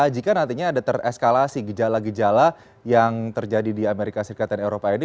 jika nantinya ada tereskalasi gejala gejala yang terjadi di amerika serikat dan eropa ini